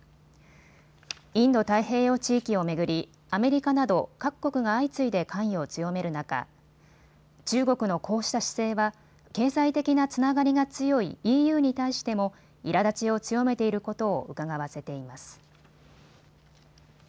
インド太平洋地域を巡りアメリカなど各国が相次いで関与を強める中、中国のこうした姿勢は経済的なつながりが強いＥＵに対してもいらだちを強めていることをうかがわせています。